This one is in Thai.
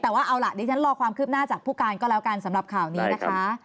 แต่ว่าเอาล่ะดิฉันรอความคืบหน้าจากผู้การก็แล้วกันสำหรับข่าวนี้นะคะ